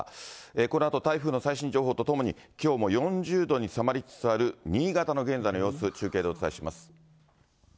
このあと台風の最新情報とともに、きょうも４０度に迫りつつある新潟の現在の様子、中継でお伝えします。